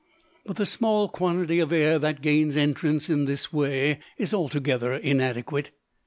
But the small quantity of air that gains entrance in this way is altogether inadequate.